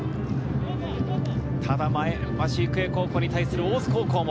ただ前橋育英高校に対する大津高校も。